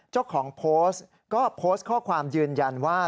เจ้าของโพสต์ก็โพสต์ข้อความยืนยันว่า